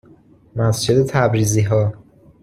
مسجد تبریزیها